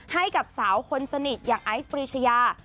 ให้กับสาวคนสนิทอย่างไอซ์ปรีชยา